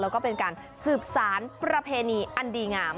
แล้วก็เป็นการสืบสารประเพณีอันดีงาม